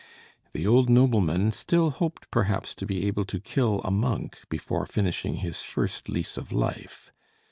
The old nobleman still hoped perhaps to be able to kill a monk before finishing his first lease of life.